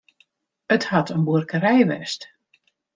It hat in buorkerij west.